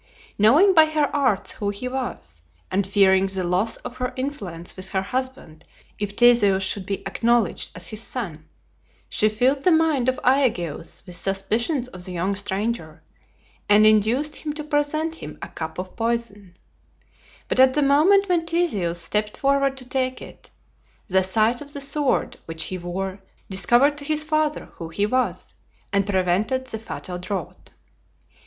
Knowing by her arts who he was, and fearing the loss of her influence with her husband if Theseus should be acknowledged as his son, she filled the mind of Aegeus with suspicions of the young stranger, and induced him to present him a cup of poison; but at the moment when Theseus stepped forward to take it, the sight of the sword which he wore discovered to his father who he was, and prevented the fatal draught.